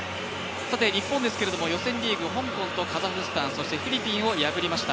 日本ですけれども予選リーグ、香港とカザフスタンそしてフィリピンを破りました。